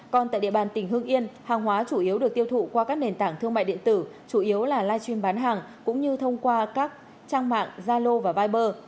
còn tại địa bàn tỉnh hương yên hàng hóa chủ yếu được tiêu thụ qua các nền tảng thương mại điện tử chủ yếu là live stream bán hàng cũng như thông qua các trang mạng zalo và viber